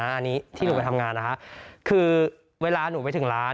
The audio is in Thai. อันนี้ที่หนูไปทำงานนะคะคือเวลาหนูไปถึงร้าน